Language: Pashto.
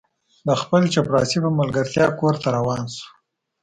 د خپل چپړاسي په ملګرتیا کور ته روان شو.